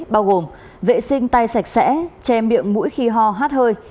bao gồm vệ sinh tay sạch sẽ che miệng mũi khi ho hát hơi